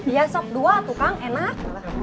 iya sok dua tuh kang enak